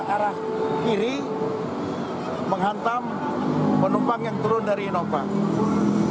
arah kiri menghantam pendumpang yang turun dari inovator